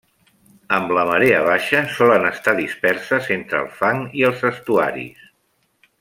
Amb la marea baixa solen estar disperses entre el fang i els estuaris.